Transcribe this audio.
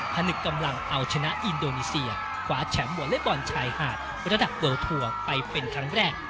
ถนึกกำลังเอาชนะอินโดนีเซียคว้าแชมป์วอเล็กบอลชายหาดระดับเลิลทัวร์ไปเป็นครั้งแรก